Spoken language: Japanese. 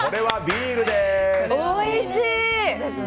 おいしい！